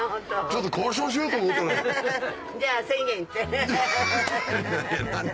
ちょっと交渉しようと思ったのに。